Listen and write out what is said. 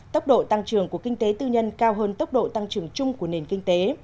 tốc độ tăng trưởng của kinh tế tư nhân cao hơn tốc độ tăng trưởng chung của nền kinh tế